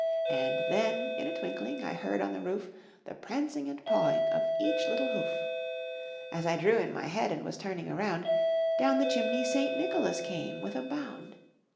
And then, in a twinkling, I heard on the roof The prancing and pawing of each little hoof. As I drew in my head, and was turning around, Down the chimney St. Nicholas came with a bound.